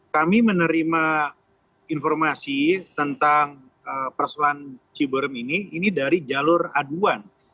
kami menerima informasi tentang persoalan ciberem ini ini dari jalur aduan